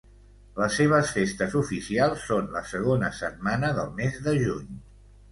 Les seves festes oficials són la segona setmana del mes de Juny.